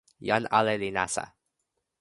jan ale li nasa.